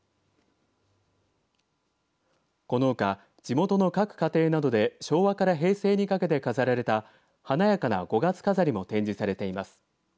このほか地元の各家庭などで昭和から平成にかけて飾られた華やかな五月飾りも展示されています。